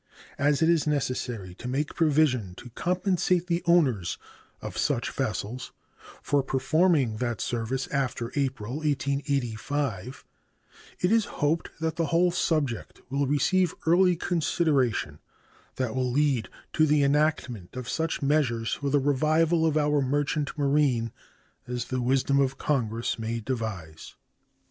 As it is necessary to make provision to compensate the owners of such vessels for performing that service after April, 1885, it is hoped that the whole subject will receive early consideration that will lead to the enactment of such measures for the revival of our merchant marine as the wisdom of Congress may devise.